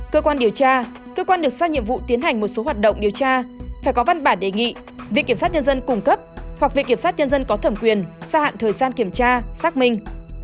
cơ quan điều tra cơ quan được sát nhiệm vụ tiến hành một số hoạt động điều tra phải có văn bản đề nghị viện kiểm sát nhân dân cung cấp hoặc viện kiểm sát nhân dân có thẩm quyền gia hạn thời gian kiểm tra xác minh